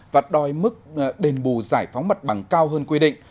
và đòi mức đền bù giải phóng mặt bằng cao hơn quy định